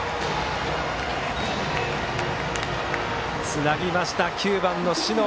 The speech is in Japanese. つなぎました、９番の小竹。